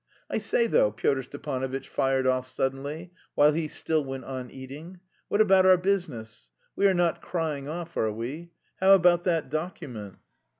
"I say, though," Pyotr Stepanovitch fired off suddenly, while he still went on eating, "what about our business? We are not crying off, are we? How about that document?"